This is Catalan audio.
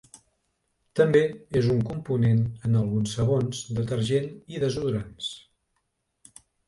També és un component en alguns sabons, detergent i desodorants.